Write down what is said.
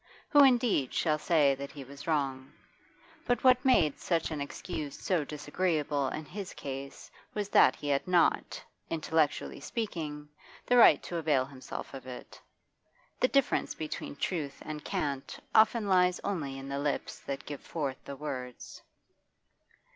Who, indeed, shall say that he was wrong? But what made such an excuse so disagreeable in his case was that he had not intellectually speaking the right to avail himself of it. The difference between truth and cant often lies only in the lips that give forth the words.